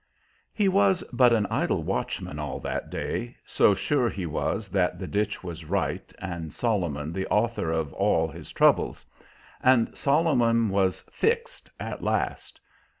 He was but an idle watchman all that day, so sure he was that the ditch was right and Solomon the author of all his troubles; and Solomon was "fixed" at last.